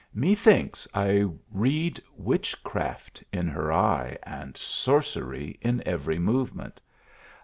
Methinks I read witchcraft in her eye, and sorcery in every movement.